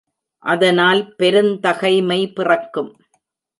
அதனால் பெருந்தகைமை பிறக்கும்.